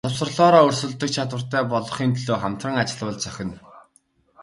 Боловсролоороо өрсөлдөх чадвартай болгохын төлөө хамтран ажиллавал зохино.